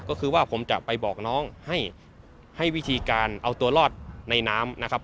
ก็คือว่าผมจะไปบอกน้องให้วิธีการเอาตัวรอดในน้ำนะครับ